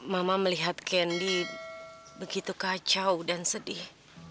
mama melihat kendi begitu kacau dan sedih